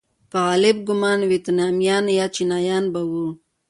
په اغلب ګومان ویتنامیان یا چینایان به وو.